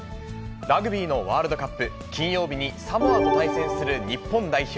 ラグビーのワールドカップ、金曜日にサモアと対戦する日本代表。